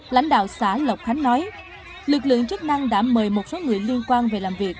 lãnh đạo xã lộc khánh nói lực lượng chức năng đã mời một số người liên quan về làm việc